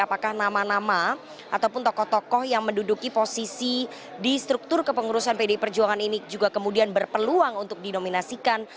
apakah nama nama ataupun tokoh tokoh yang menduduki posisi di struktur kepengurusan pdi perjuangan ini juga kemudian berpeluang untuk dinominasikan